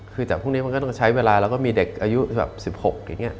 คือจากพวกนี้มันก็ต้องใช้เวลาแล้วก็มีเด็กอายุแบบ๑๖อย่างนี้